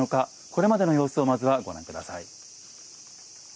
これまでの様子をまずはご覧ください。